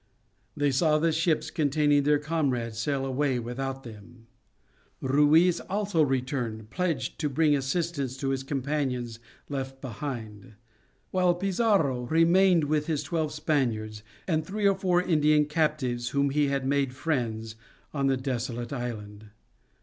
They saw the ships containing their comrades sail away without them; Ruiz also returned, pledged to bring assistance to his companions left behind; while Pizarro remained with his twelve Spaniards, and three or four Indian captives whom he had made friends, on the desolate island.